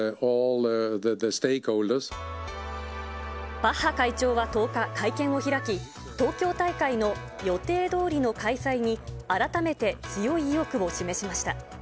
バッハ会長は１０日、会見を開き、東京大会の予定どおりの開催に、改めて強い意欲を示しました。